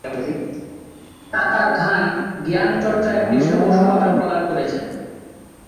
তাতার খান জ্ঞানচর্চায় পৃষ্ঠপোষকতা প্রদান করেছেন।